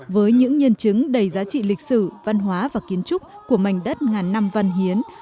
với những nhân chứng đầy giá trị lịch sử văn hóa và kiến trúc của mảnh đất ngàn năm văn hiến